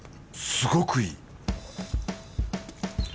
すごくいい！